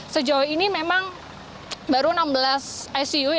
sejauh ini memang baru enam belas icu yang siap digodok